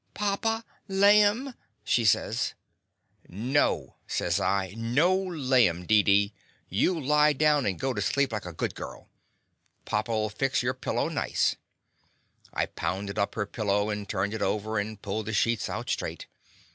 "Papa, laim/' she says. "No!" says I, "No laim, Deedee. You lie down and go to sleep like a good girl. Papa '11 fix your pillow nice." I pounded up her pillow, and turned it over, and pulled the sheets out straight.